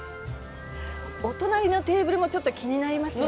お隣のテーブルもちょっと気になりますね。